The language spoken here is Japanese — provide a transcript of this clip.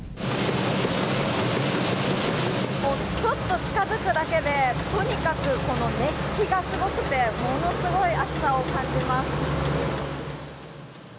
ちょっと近づくだけでとにかく熱気がすごくてものすごく暑さを感じます。